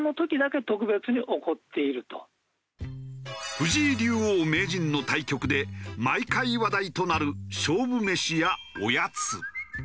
藤井竜王・名人の対局で毎回話題となる勝負メシやおやつ。